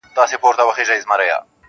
• هغه به کیږي چي لیکلي وي کاتب د ازل -